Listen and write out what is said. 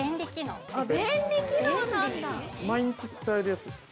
◆毎日、使えるやつ？